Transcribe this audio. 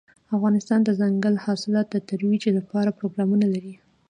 افغانستان د دځنګل حاصلات د ترویج لپاره پروګرامونه لري.